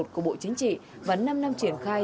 của bộ chính trị và năm năm triển khai